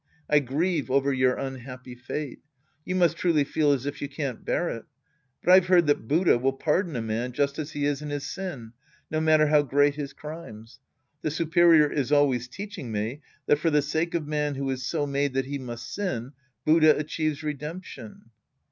I grieve over your unhappy fate. You must truly feel as if you can't bear it. But I've heard that Buddha will pardon a man just as he is in his sin, no matter how great Ms crimes. The superior is always teaching me that for the sake of man who is so made that he must sin, Buddha achieves redemption.